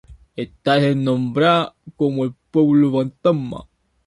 Esta a veces es nombrada como un pueblo fantasma.